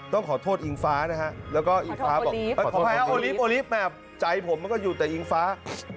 ต้องขอโทษอิงฟ้านะฮะแล้วก็อีกมั้งออกออลิฟต์แต่ก็อยู่แต่อิงฟ้า